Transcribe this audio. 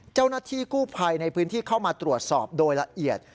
เจ้าหน้าที่กู้ภัยในพื้นที่เข้ามาตรวจสอบโดยละเอียด